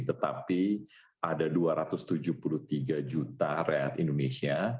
tetapi ada dua ratus tujuh puluh tiga juta rakyat indonesia